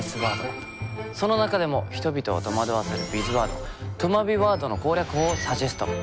その中でも人々を戸惑わせるビズワードとまビワードの攻略法をサジェスト。